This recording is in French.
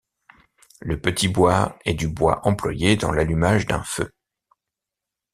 Le petit-bois est du bois employé dans l'allumage d'un feu.